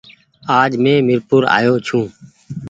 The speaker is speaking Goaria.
آج مينٚ مير پور آ يو ڇوٚنٚ